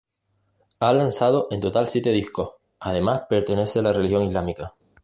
Ha lanzado en total siete discos, además pertenece a la religión islámica.